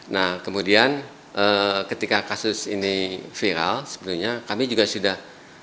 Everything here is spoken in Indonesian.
nah kemudian ketika kasus ini viral sebenarnya kami juga sudah